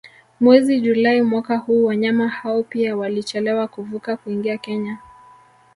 Mwezi Julai mwaka huu wanyama hao pia walichelewa kuvuka kuingia Kenya